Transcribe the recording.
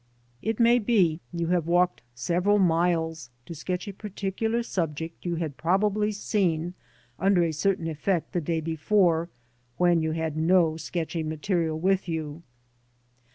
It may be you have walked several miles to sketch a particular subject you had probably seen under a certain effect the day before, when you had no sketching material with you.